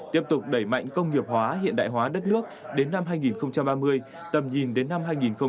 tiếp tục đẩy mạnh công nghiệp hóa hiện đại hóa đất nước đến năm hai nghìn ba mươi tầm nhìn đến năm hai nghìn bốn mươi năm